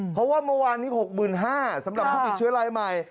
เพราะว่าเมื่อวานนี้๖๕๐๐สำหรับผู้ติดเชื้อรายใหม่